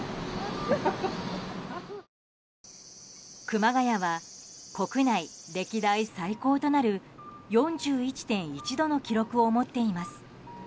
熊谷は国内歴代最高となる４１．１度の記録を持っています。